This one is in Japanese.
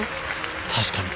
確かに。